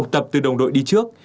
tập từ đồng đội đi trước